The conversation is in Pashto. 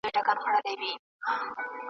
هېری څرنگه د مینی ورځی شپې سي .